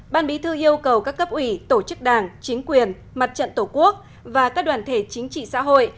ban bí thư yêu cầu các cấp ủy tổ chức đảng chính quyền mặt trận tổ quốc và các đoàn thể chính trị xã hội